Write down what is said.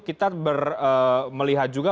kita melihat juga